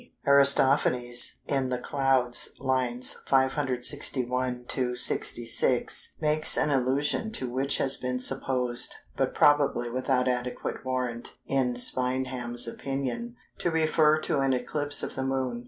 C. Aristophanes, in "The Clouds" (lines 561 66), makes an allusion to which has been supposed (but probably without adequate warrant, in Spanheim's opinion), to refer to an eclipse of the Moon.